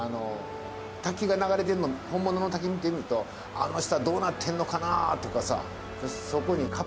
滝が流れてんの本物の滝見てみるとあの下どうなってんのかなとかさ